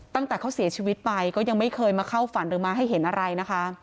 ตั้งแต่เขาเสียชีวิตไปก็ยังไม่เคยมาเข้าฝันหรือมาให้เห็นอะไรนะคะ